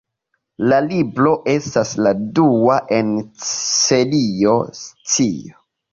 La libro estas la dua en Serio Scio.